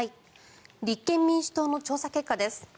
立憲民主党の調査結果です。